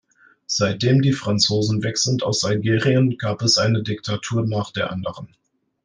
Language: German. Seitdem die Franzosen weg sind aus Algerien, gab es eine Diktatur nach der anderen.